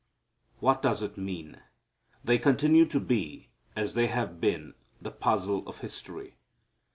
What does it mean? They continue to be, as they have been, the puzzle of history.